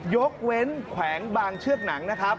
ยกเว้นแขวงบางเชือกหนังนะครับ